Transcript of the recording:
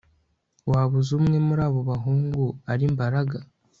Waba uzi umwe muri abo bahungu ari Mbaraga